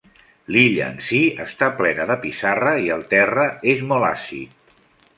L'illa en si està plena de pissarra i el terra és molt àcid.